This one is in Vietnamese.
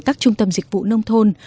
các trung tâm dịch vụ nông thôn